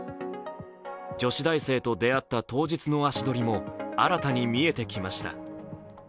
女子大生と出会った当日の足取りも新たに見えてきました。